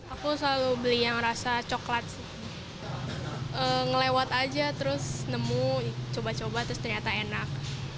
aku selalu beli yang rasa coklat sih ngelewat aja terus nemu coba coba terus ternyata enak